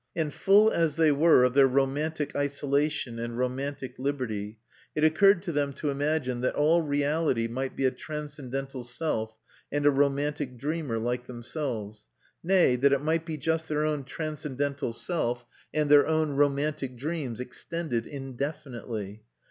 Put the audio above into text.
And full as they were of their romantic isolation and romantic liberty, it occurred to them to imagine that all reality might be a transcendental self and a romantic dreamer like themselves; nay, that it might be just their own transcendental self and their own romantic dreams extended indefinitely.